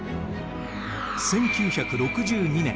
１９６２年